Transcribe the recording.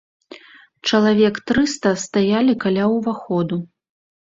Чалавек трыста стаялі каля ўваходу.